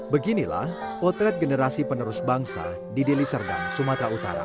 beginilah potret generasi penerus bangsa di delisergang sumatera utara